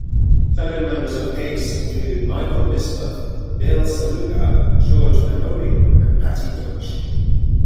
Fellow members of Ace included Michael Mislove, Bill Saluga, George Memmoli, and Patti Deutsch.